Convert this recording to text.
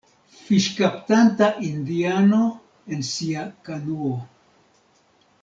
Fiŝkaptanta indiano en sia kanuo.